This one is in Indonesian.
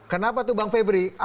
kenapa tuh bang febri